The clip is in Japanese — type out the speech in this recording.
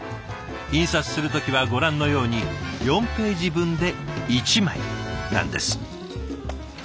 印刷する時はご覧のように４ページ分で１枚なんです。